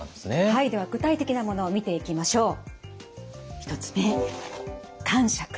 はいでは具体的なものを見ていきましょう。